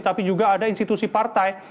tapi juga ada institusi partai